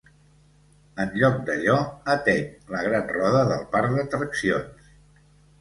En lloc d'allò, ateny la gran roda del parc d'atraccions.